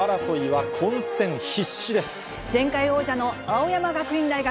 前回王者の青山学院大学。